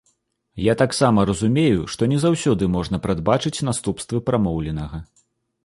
Я таксама разумею, што не заўсёды можна прадбачыць наступствы прамоўленага.